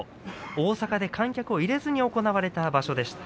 大阪で観客を入れずに行われた場所。